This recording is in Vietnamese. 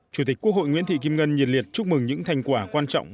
chủ tịch quốc hội nguyễn thị kim ngân nhiệt liệt chúc mừng những thành quả quan trọng